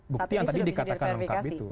bukti yang tadi dikatakan lengkap itu